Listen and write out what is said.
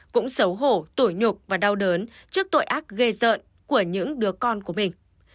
cũng xấu hổ tội nhục và đau đớn trước tội ác ghê rợn của những đứa con của mình